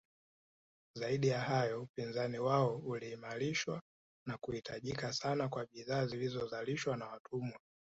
Zaidi ya hayo upinzani wao uliimarishwa na kuhitajika sana kwa bidhaa zilizozalishwa na watumwa